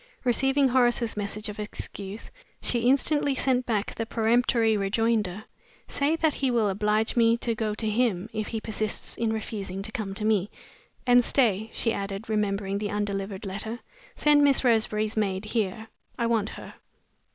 Receiving Horace's message of excuse, she instantly sent back the peremptory rejoinder, "Say that he will oblige me to go to him, if he persists in refusing to come to me. And, stay!" she added, remembering the undelivered letter. "Send Miss Roseberry's maid here; I want her."